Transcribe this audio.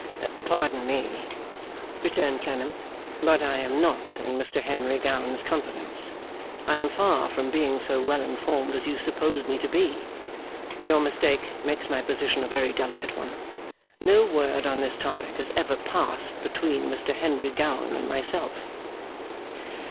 'Pardon me,' returned Clennam, 'but I am not in Mr Henry Gowan's confidence. I am far from being so well informed as you suppose me to be. Your mistake makes my position a very delicate one. No word on this topic has ever passed between Mr Henry Gowan and myself.